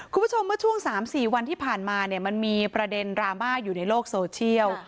คุณผู้ชมเมื่อช่วง๓๔วันที่ผ่านมาเนี่ยมันมีประเด็นดราม่าอยู่ในโลกโซเชียล